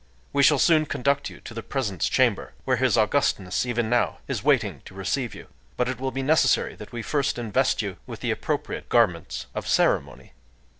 We shall soon conduct you to the presence chamber... where His Augustness even now is waiting to receive you... But it will be necessary that we first invest you... with the appropriate garments of ceremony."